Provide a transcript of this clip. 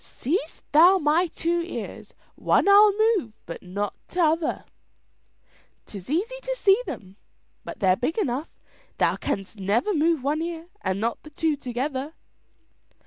"Seest thou my two ears! One I'll move but not t'other." "'Tis easy to see them, they're big enough, but thou canst never move one ear and not the two together."